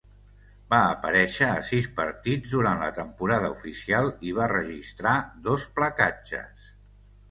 Va aparèixer a sis partits durant la temporada oficial i va registrar dos placatges.